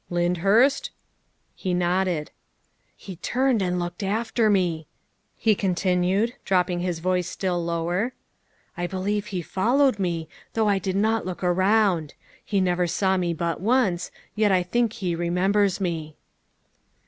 "Lyndhurst?" He nodded. " He turned and looked after me," he continued, dropping his voice still lower. " I believe he followed me, although I did not look around. He never saw me but once, yet I think he remembers me.